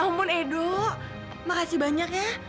ya ampun edo makasih banyak ya